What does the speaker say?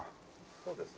そうですね。